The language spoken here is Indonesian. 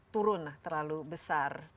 turun terlalu besar